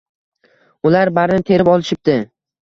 Ular barini terib olishibdi.